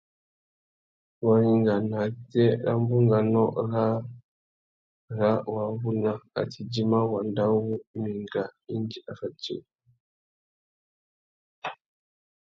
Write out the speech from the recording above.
Waringa nātê râ bunganô râā râ wa wuna a tà idjima wanda uwú i mà enga indi a fatiya upwê.